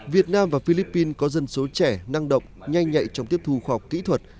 việt nam và philippines có dân số trẻ năng động nhanh nhạy trong tiếp thù khoa học kỹ thuật